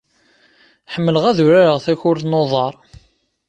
Ḥemmleɣ ad urareɣ takurt n uḍar.